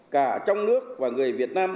cả trong nước và người việt nam